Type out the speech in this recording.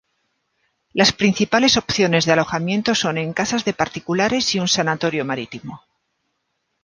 Las principales opciones de alojamiento son en casas de particulares y un sanatorio marítimo.